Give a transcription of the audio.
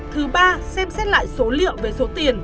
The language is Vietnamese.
thứ ba xem xét lại số liệu về số tiền